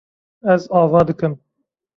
Ez ava dikim.